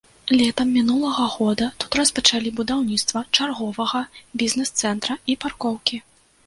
Летам мінулага года тут распачалі будаўніцтва чарговага бізнес-цэнтра і паркоўкі.